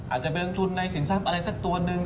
อาจจะเป็นลงทุนในสินสรรพอะไรสักตัวหนึ่ง